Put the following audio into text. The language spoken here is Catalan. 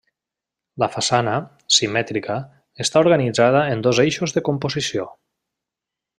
La façana, simètrica, està organitzada en dos eixos de composició.